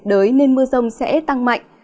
nền nhiệt đới nên mưa rông sẽ tăng mạnh